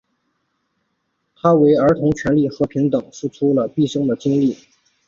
他为儿童权利和平等付出了毕生的精力。